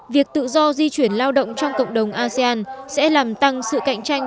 việc tự do di chuyển lao động trong cộng đồng asean sẽ làm tăng sự cạnh tranh